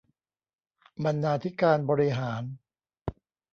บรรณาธิการบริหาร